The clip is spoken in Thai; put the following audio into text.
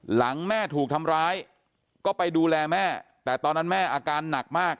หลังแม่ถูกทำร้ายก็ไปดูแลแม่แต่ตอนนั้นแม่อาการหนักมาก